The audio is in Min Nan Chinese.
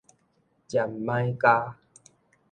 占買加